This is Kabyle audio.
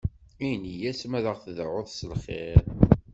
Ini-as ma aɣ-d-tedɛuḍ s lxir?